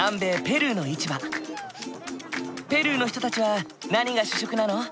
ペルーの人たちは何が主食なの？